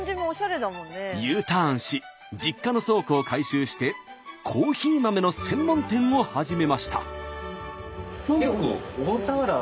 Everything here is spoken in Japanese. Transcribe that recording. Ｕターンし実家の倉庫を改修してコーヒー豆の専門店を始めました。